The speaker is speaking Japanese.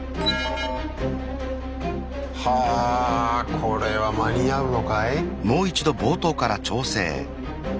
はぁこれは間に合うのかい？